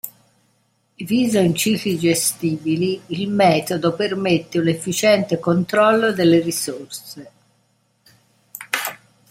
Diviso in cicli gestibili, il metodo permette un efficiente controllo delle risorse.